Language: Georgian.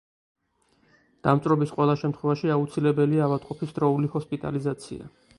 დამწვრობის ყველა შემთხვევაში აუცილებელია ავადმყოფის დროული ჰოსპიტალიზაცია.